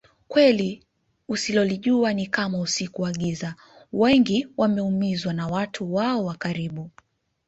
Kweli usilolijua Ni Kama usiku wa Giza wengi wameumizwa na watu wao wa karibu